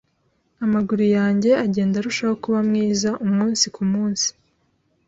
Amaguru yanjye agenda arushaho kuba mwiza umunsi ku munsi.